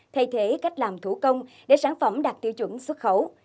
thay thế cách làm thủ công để sản phẩm đạt tiêu chuẩn xuất khẩu